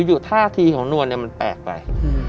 อยู่ท่าทีของนวลมันแปลกไป